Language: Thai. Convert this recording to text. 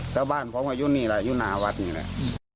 เจ้าบ้านพร้อมกับอยู่นี่แหละอยู่หน้าวัดนี่แหละ